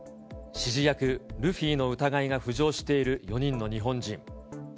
指示役、ルフィの疑いが浮上している４人の日本人。